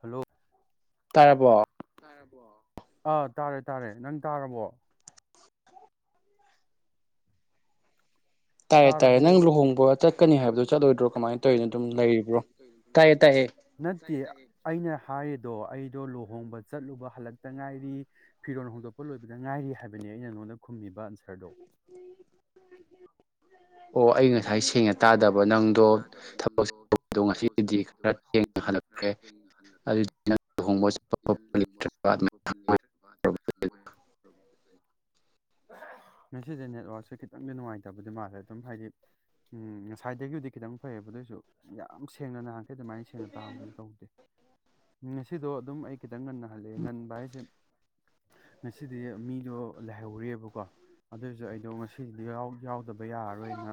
hello ꯇꯥꯔꯕꯣ ꯑꯥ ꯇꯥꯔꯦ ꯇꯥꯔꯦ ꯅꯪ ꯇꯥꯔꯕꯣ ꯇꯥꯏꯔꯦ ꯇꯥꯏꯔꯦ ꯇꯥꯔꯕꯣ ꯅꯪ ꯂꯨꯍꯣꯡꯕ ꯆꯠꯀꯅꯤ ꯍꯥꯏꯕꯗꯣ ꯆꯠꯂꯣꯏꯗ꯭ꯔꯣ ꯀꯃꯥꯏꯅ ꯇꯧꯔꯤꯅꯣ ꯑꯗꯨꯝ ꯂꯩꯔꯤꯕ꯭ꯔꯣ ꯇꯥꯏꯌꯦ ꯇꯥꯏꯌꯦ ꯅꯠꯇꯦ ꯑꯩꯅ ꯍꯥꯏꯌꯤꯗꯣ ꯑꯩ ꯗꯣ ꯂꯨꯍꯣꯡꯕ ꯆꯠꯂꯨꯕ ꯍꯜꯂꯛꯇ ꯉꯥꯏꯔꯤ ꯐꯤꯔꯣꯜ ꯍꯣꯡꯗꯣꯛꯄ ꯂꯣꯏꯕꯗ ꯉꯥꯏꯔꯤ ꯍꯥꯏꯕꯅꯤ ꯑꯩꯅ ꯅꯉꯣꯟꯗ ꯈꯨꯝꯃꯤꯕ ꯕ ꯑꯟꯁꯔꯗꯣ ꯑꯣ ꯑꯩ ꯉꯁꯤ ꯉꯁꯥꯏ ꯁꯦꯡꯅ ꯇꯥꯗꯕ ꯅꯪꯗꯣ ꯊꯕꯛꯗꯣ ꯉꯁꯤꯗꯤ ꯈꯔ ꯊꯦꯡꯅ ꯍꯜꯂꯛꯈ꯭ꯔꯦ ꯑꯗꯨꯗꯤ ꯂꯨꯍꯣꯡꯕ ꯍꯜꯂꯦ ꯆꯠꯄ ꯑꯗꯨꯅ ꯈꯣꯠꯄ ꯂꯨꯍꯣꯡꯕ ꯂꯩꯇ꯭ꯔꯕ ꯆꯠꯄ ꯈꯣꯠꯄ ꯑꯗꯨꯃꯥꯏꯅ ꯂꯩꯇ꯭ꯔꯕ ꯑꯗꯨ ꯉꯁꯤꯁꯦ ꯅꯦꯠꯋꯥꯛꯛꯁꯦ ꯈꯤꯇꯪꯗꯤ ꯅꯨꯡꯉꯥꯏꯇꯕꯗꯤ ꯃꯥꯜꯂꯦ ꯑꯗꯨꯝ ꯍꯥꯏꯗꯤ ꯎꯝ ꯉꯁꯥꯏꯗꯒꯤꯕꯨꯗꯤ ꯈꯤꯇꯪ ꯐꯩꯌꯦꯕ ꯑꯗꯨꯏꯁꯨ ꯌꯥꯝ ꯁꯦꯡꯅ ꯅꯍꯥꯟꯈꯩ ꯑꯗꯨꯃꯥꯏꯅ ꯁꯦꯡꯅ ꯇꯥꯕꯗꯨꯗꯤ ꯇꯧꯗꯦ ꯉꯁꯤꯗꯣ ꯑꯗꯨꯝ ꯑꯩ ꯈꯤꯇꯪ ꯉꯟꯅ ꯍꯜꯂꯦ ꯉꯟꯕ ꯍꯥꯏꯁꯦ ꯉꯁꯤꯗꯤ ꯃꯤꯗꯣ ꯂꯩꯥꯍꯧꯔꯤꯕꯀꯣ ꯑꯗꯨꯏꯁꯨ ꯑꯩꯗꯣ ꯉꯁꯤꯗꯤ ꯌꯥꯎꯗꯕ ꯌꯥꯔꯔꯣꯏꯅ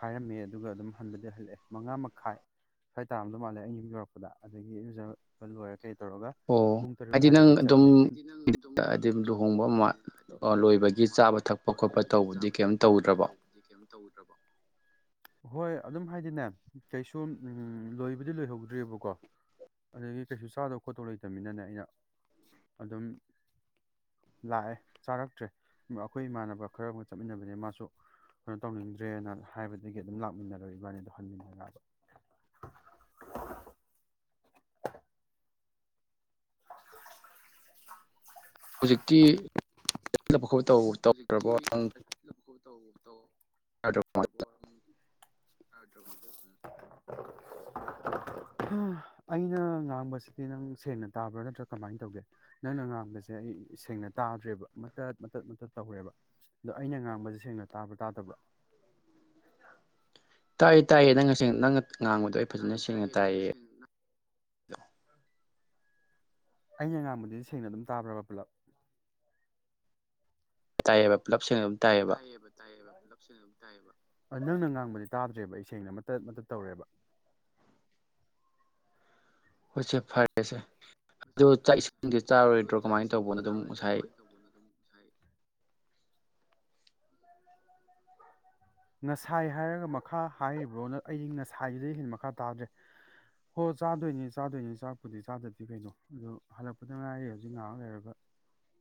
ꯍꯥꯏꯔꯝꯃꯦ ꯑꯗꯨꯒ ꯑꯗꯨꯝ ꯍꯟꯕꯗꯤ ꯍꯜꯂꯛꯑꯦ ꯃꯉꯥ ꯃꯈꯥꯏ ꯁ꯭ꯋꯥꯏ ꯇꯥꯔꯝꯗꯧ ꯃꯥꯜꯂꯦ ꯑꯩꯩꯅ ꯌꯨꯝ ꯌꯧꯔꯛꯄꯗ ꯑꯗꯒꯤ ꯢꯔꯨꯖꯕ ꯄ ꯂꯣꯏꯔ ꯀꯩ ꯇꯧꯔꯒ ꯑꯣ ꯄꯨꯡ ꯇꯔꯨꯛ ꯍꯥꯏꯗꯤ ꯅꯪ ꯁ꯭ꯋꯥꯏꯗꯒꯤ ꯑꯗꯨꯝ ꯆꯠꯂꯦ ꯍꯥꯏꯗꯤ ꯅꯪ ꯑꯗꯨꯝ ꯍꯥꯏꯗꯤ ꯂꯨꯍꯣꯡꯕ ꯑꯃ ꯂꯣꯏꯕꯒꯤ ꯆꯥꯕ ꯊꯛꯄ [unintelligible] ꯈꯣꯠꯄ ꯂꯣꯏꯕꯒꯤ ꯇꯧꯕꯗꯤ ꯆꯥꯕ ꯀꯩꯝ ꯊꯛꯄ ꯈꯣꯠꯄ ꯇꯧꯗ꯭ꯔꯕꯣ ꯇꯧꯕꯗꯤ ꯀꯩꯝ ꯇꯧꯗ꯭ꯔꯕ ꯍꯣꯏ ꯑꯗꯨꯝ ꯍꯥꯏꯗꯤꯅꯦ ꯀꯩꯁꯨꯝ ꯂꯣꯏꯕꯨꯗꯤ ꯂꯣꯏꯍꯧꯗ꯭ꯔꯤꯕꯀꯣ ꯑꯗꯒꯤ ꯀꯩꯁꯨ ꯆꯥꯗꯧ ꯈꯣꯠꯇꯧ ꯂꯩꯇꯝꯅꯤꯅꯅꯦ ꯌꯥ ꯑꯗꯨꯝ ꯂꯥꯛꯑꯦ ꯆꯥꯔꯛꯇ꯭ꯔꯦ ꯑꯈꯣꯏ ꯏꯃꯥꯟꯅꯕ ꯈꯔꯒ ꯆꯠꯃꯤꯟꯅꯕꯅꯤ ꯃꯥꯁꯨ ꯀꯩꯅꯣ ꯇꯧꯅꯤꯡꯗ꯭ꯔꯦꯅ ꯍꯥꯏꯕꯗꯒꯤ ꯑꯗꯨꯝ ꯂꯥꯛꯃꯤꯟꯅꯔꯦ ꯏꯕꯥꯅꯤꯗꯣ ꯍꯟꯃꯤꯟꯅꯔꯛ ꯑꯕ ꯍꯨꯖꯤꯛꯇꯤ ꯈꯠ ꯇꯧꯈ꯭ꯔꯕꯣ ꯅꯪ [unintelligible] ꯍꯥ ꯑꯩꯅ ꯉꯥꯡꯕꯁꯤꯗꯤ ꯅꯪ ꯁꯦꯡꯅ ꯇꯥꯕ꯭ꯔꯥ ꯅꯠꯇ꯭ꯔ ꯀꯃꯥꯏꯅ ꯇꯧꯒꯦ ꯅꯪꯅ ꯉꯥꯡꯕꯁꯦ ꯑꯩ ꯗꯤ ꯁꯦꯡꯅ ꯇꯥꯗ꯭ꯔꯦꯕ ꯃꯇꯠ ꯃꯇꯠ ꯃꯇꯠ ꯇꯧꯔꯦꯕ ꯑꯗꯣ ꯑꯩꯅ ꯉꯥꯡꯕꯁꯦ ꯁꯦꯡꯅ ꯇꯥꯕ꯭ꯔꯥ ꯇꯥꯗꯕ꯭ꯔꯥ ꯇꯥꯏꯌꯦ ꯇꯥꯏꯌꯦ ꯅꯪꯅ ꯁꯦꯡ ꯅꯪꯅ ꯉꯥꯡꯕꯗꯣ ꯑꯩ ꯐꯖꯟꯅ ꯁꯦꯡꯅ ꯇꯥꯏꯌꯦ ꯑꯩꯅ ꯉꯥꯡꯕꯨꯗꯤꯗꯤ ꯁꯦꯡꯅ ꯑꯗꯨꯝ ꯇꯥꯕ꯭ꯔꯕ ꯄꯨꯂꯞ ꯇꯥꯢꯌꯦꯕ ꯄꯨꯂꯞ ꯁꯦꯡꯅ ꯑꯗꯨꯝ ꯇꯥꯏꯌꯦꯕ ꯇꯥꯏꯌꯦꯕ ꯁꯦꯡꯅ ꯑꯗꯦꯝ ꯇꯥꯌꯦꯕ ꯅꯪꯅ ꯉꯥꯡꯕꯗꯤ ꯇꯥꯗ꯭ꯔꯦꯕ ꯑꯩ ꯁꯦꯡꯅ ꯃꯇꯠ ꯃꯇꯠ ꯇꯧꯔꯦꯕ [inaudible] ꯍꯧꯆꯦ ꯐꯔꯦꯁꯦ ꯑꯗꯣ ꯍꯣꯢꯁꯦ ꯆꯥꯛ ꯐꯔꯦꯁꯦ ꯏꯁꯤꯡꯗꯤ ꯑꯗꯨ ꯆꯥꯔꯣꯏꯗ꯭ꯔꯣ ꯆꯥꯛ ꯀꯃꯥꯏꯅ ꯏꯁꯤꯡꯗꯤ ꯇꯧꯕꯅꯣ ꯑꯗꯨꯝ ꯆꯥꯔꯣꯏꯗ꯭ꯔꯣ ꯉꯁꯥꯏ ꯀꯃꯥꯏꯅ ꯇꯧꯕꯅꯣ ꯑꯗꯨꯝ ꯉꯁꯥꯏ [unintelligible] ꯉꯁꯥꯏ ꯍꯥꯏꯔꯒ ꯃꯈꯥ ꯍꯥꯏꯔꯤꯕ꯭ꯔꯣ ꯑꯩ ꯉꯁꯥꯏꯗꯨꯗꯩ ꯍꯦꯟꯅ ꯃꯈꯥ ꯇꯥꯗ꯭ꯔꯦ ꯍꯣ ꯆꯥꯗꯣꯏꯅꯤ ꯆꯥꯗꯣꯏꯅꯤ ꯆꯥꯛꯄꯨꯗꯤ ꯆꯥꯗ ꯗꯤ ꯀꯩꯅꯣ ꯑꯗꯣ ꯍꯜꯂꯛꯄꯗ ꯉꯥꯏꯔꯤ ꯍꯧꯖꯤꯛ ꯉꯥꯏꯍꯥꯛ ꯂꯩꯔꯒ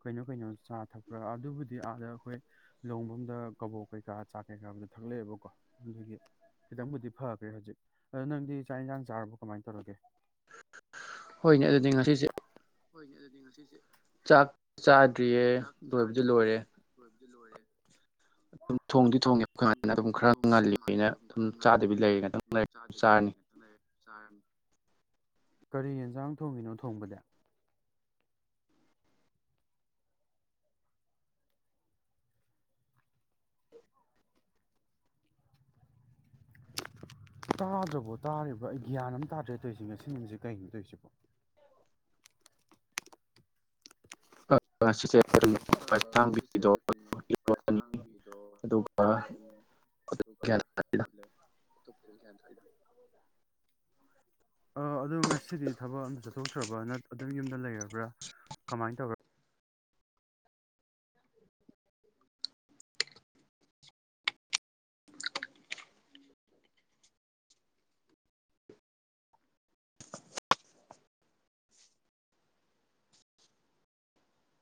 ꯀꯩꯅꯣ ꯀꯩꯅꯣ ꯆꯥ ꯊꯛꯄ꯭ꯔꯥ ꯑꯗꯨꯕꯨꯗꯤ ꯑꯥꯗ ꯑꯩꯈꯣꯏ ꯂꯣꯡꯐꯝꯗ ꯀꯕꯣꯛ ꯀꯩꯀꯥ ꯆꯥ ꯊꯛꯂꯛꯑꯦꯕꯀꯣ ꯑꯗꯨꯗꯨꯒꯤ ꯈꯤꯇꯪꯕꯨꯗꯤ ꯐꯈ꯭ꯔꯦ ꯍꯧꯖꯤꯛ ꯑ ꯅꯪꯗꯤ ꯆꯥꯛ ꯏꯟꯁꯥꯡ ꯆꯥꯔꯕ ꯀꯃꯥꯏꯅ ꯇꯧꯔꯒꯦ ꯍꯣꯏꯅꯦ ꯑꯗꯨꯗꯤ ꯉꯁꯤꯁꯦ ꯍꯣꯏꯅꯦ ꯑꯗꯨꯗꯤ ꯉꯁꯤꯁꯦ ꯆꯥꯛ ꯆꯥꯗ꯭ꯔꯤꯌꯦ ꯂꯣꯏꯕꯗꯤ ꯂꯣꯏꯔꯦ ꯂꯣꯢꯔꯦ [unintelligible] ꯑꯗꯨꯝ ꯊꯣꯡꯗꯤ ꯊꯣꯡꯉꯦ ꯑꯩꯈꯣꯏ ꯑꯗꯨꯝ ꯍꯥꯟꯅ ꯊꯣꯡꯗꯤ ꯈꯔ ꯊꯣꯡꯉꯦ ꯑꯩꯈꯣꯢ ꯃꯥꯅ ꯉꯜꯂꯤꯅ ꯑꯗꯨꯝ ꯈꯔ ꯆꯥꯗꯕꯤ ꯉꯜꯂꯤꯌꯦꯅ ꯂꯩꯔꯦ ꯉꯥꯛꯇꯪ ꯂꯩꯔ ꯆꯥꯗꯕꯤ ꯆꯥꯔꯅꯤ ꯂꯩꯔꯤ ꯉꯥꯛꯇꯪ ꯂꯩ ꯆꯔꯝ ꯀꯔꯤ ꯌꯦꯟꯖꯥꯡ ꯊꯣꯡꯉꯤꯅꯣ ꯊꯣꯡꯕꯗꯤ ꯇꯥꯗ꯭ꯔꯕꯣ ꯇꯥꯔꯤꯕ ꯑꯩ ꯒ꯭ꯌꯥꯟ ꯑꯃ ꯇꯥꯗ꯭ꯔꯦ ꯇꯩꯁꯦ ꯉꯁꯤ ꯅꯨꯃꯤꯠꯁꯦ ꯀꯩꯅꯣ ꯇꯩꯁꯤꯕꯣ [unintelligible] ꯉꯁꯤꯁꯦ ꯀꯩꯅꯣ ꯍꯋꯥꯏ ꯄꯁꯥꯡꯕꯤꯗꯣ ꯑꯗꯨꯒ [unintelligible] ꯑꯗꯨꯒ ꯂꯦꯐ ꯑꯇꯣꯞꯄꯩꯗꯤ ꯒ꯭ꯌꯥꯟ ꯇꯥꯢꯗ ꯑ ꯑꯗꯣ ꯉꯁꯤꯗꯤ ꯊꯕꯛ ꯑꯝꯇ ꯆꯠꯊꯣꯛꯇ꯭ꯔꯕ꯭ꯔ ꯅ ꯑꯗꯨꯝ ꯌꯨꯝꯗ ꯂꯩꯔꯕ꯭ꯔꯥ ꯀꯃꯥꯏꯅ ꯇꯧ [inaudible]